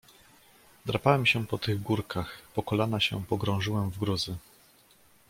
"Drapałem się po tych górkach, po kolana się pogrążyłem w gruzy."